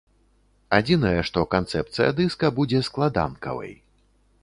Адзінае, што канцэпцыя дыска будзе складанкавай.